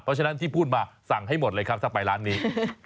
เพราะฉะนั้นที่พูดมาสั่งให้หมดเลยครับถ้าไปร้านนี้